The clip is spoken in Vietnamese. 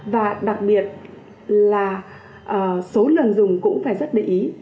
và đặc biệt là số lần dùng cũng phải rất để ý